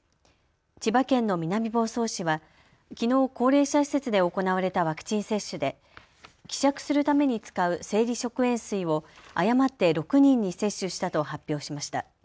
千葉県の南房総市はきのう高齢者施設で行われたワクチン接種で希釈するために使う生理食塩水を誤って６人に接種したと発表しました。